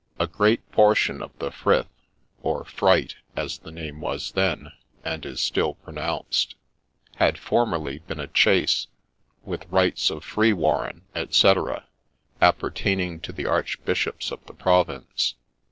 A great portion of the Frith, or Fright, as the name was then, and is still, pronounced, had formerly been a Chase, with rights of Free warren, &c., appertaining to the Archbishops of the Province.